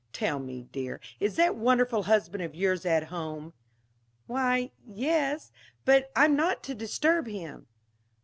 Tell me, dear, is that wonderful husband of yours at home?" "Why yes. But I am not to disturb him."